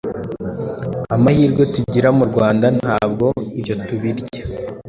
amahirwe tugira mu Rwanda ntabwo ibyo tubirya,